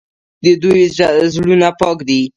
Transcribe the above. د دوی زړونه پاک دي.